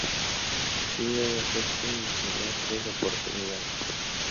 Sidney acepta y le da tres oportunidades.